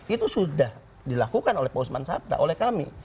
itu sudah dilakukan oleh pak usman sabda oleh kami